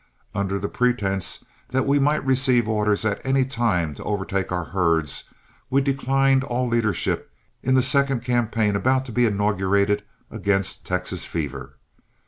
Under the pretense that we might receive orders at any time to overtake our herds, we declined all leadership in the second campaign about to be inaugurated against Texas fever.